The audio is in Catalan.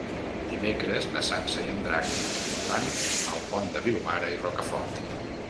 Dimecres na Sança i en Drac van al Pont de Vilomara i Rocafort.